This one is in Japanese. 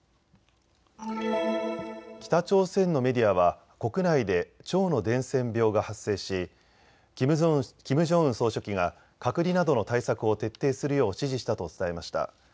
北朝鮮のメディアは国内で腸の伝染病が発生しキム・ジョンウン総書記が隔離などの対策を徹底するよう指示したと伝えました。